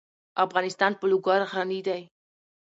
افغانستان په لوگر غني دی.